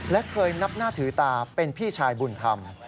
และเคยนับหน้าถือตาเป็นพี่ชายบุญธรรม